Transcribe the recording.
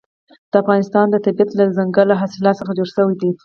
د افغانستان طبیعت له دځنګل حاصلات څخه جوړ شوی دی.